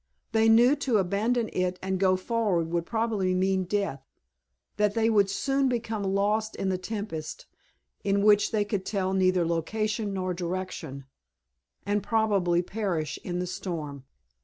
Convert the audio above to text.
They knew to abandon it and go forward would probably mean death, that they would soon become lost in the tempest, in which they could tell neither location nor direction, and probably perish in the storm.